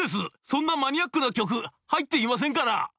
そんなマニアックな曲入っていませんから」。